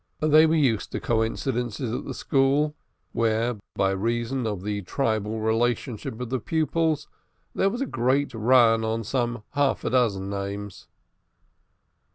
They were used to coincidences in the school, where, by reason of the tribal relationship of the pupils, there was a great run on some half a dozen names.